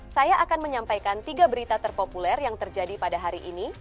saya akan menyampaikan tiga berita terpopuler yang terjadi pada hari ini